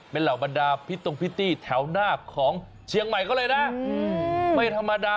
เป็นเหล่าบรรดาพิตรตรงพิตตี้แถวหน้าของเชียงใหม่ก็เลยนะ